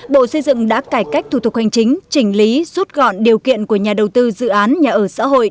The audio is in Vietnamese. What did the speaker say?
bộ xây dựng đã cải cách thủ tục hành chính chỉnh lý rút gọn điều kiện của nhà đầu tư dự án nhà ở xã hội